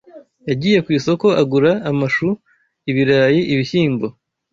Yagiye ku isoko agura amashu ibirayi ibishyimbo